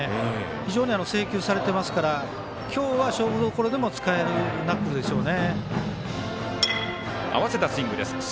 非常に制球されていますから今日は、勝負どころでも使えるナックルですよね。